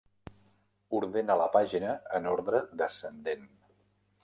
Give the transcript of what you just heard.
Ordena la pàgina en ordre descendent.